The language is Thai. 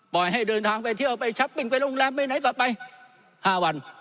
ปล่อยให้เดินทางไปเที่ยวไปไปโรงแรมไปไหนต่อไปห้าวัน